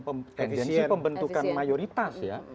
tendensi pembentukan mayoritas ya